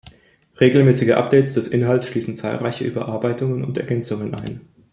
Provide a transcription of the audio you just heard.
Regelmäßige Updates des Inhalts schließen zahlreiche Überarbeitungen und Ergänzungen ein.